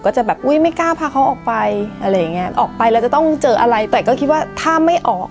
จะแบบอุ้ยไม่กล้าพาเขาออกไปอะไรอย่างเงี้ยออกไปแล้วจะต้องเจออะไรแต่ก็คิดว่าถ้าไม่ออก